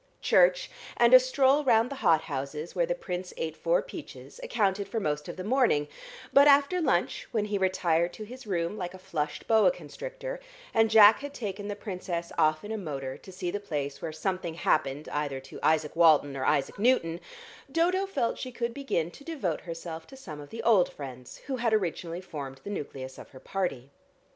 Church and a stroll round the hot houses, where the Prince ate four peaches, accounted for most of the morning, but after lunch, when he retired to his room like a flushed boa constrictor, and Jack had taken the Princess off in a motor to see the place where something happened either to Isaac Walton or Isaac Newton, Dodo felt she could begin to devote herself to some of the old friends, who had originally formed the nucleus of her party.